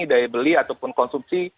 daya beli ataupun konsumsi